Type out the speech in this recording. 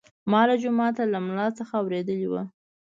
ما له جومات له ملا څخه اورېدلي وو.